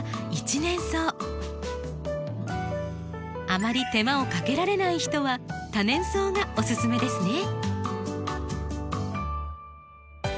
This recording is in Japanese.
あまり手間をかけられない人は多年草がおすすめですね。